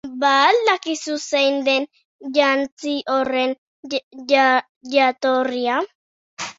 Ba al dakizu zein den jantzi horren jatorria?